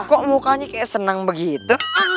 kok mukanya kayak senang begitu